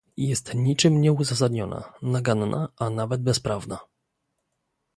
Jest niczym nieuzasadniona, naganna, a nawet bezprawna